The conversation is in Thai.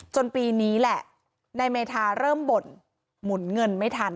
ปีนี้แหละนายเมธาเริ่มบ่นหมุนเงินไม่ทัน